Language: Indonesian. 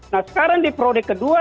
nah sekarang di periode kedua